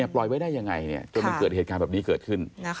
ปล่อยไว้ได้ยังไงจนมันเกิดเหตุการณ์แบบนี้เกิดขึ้น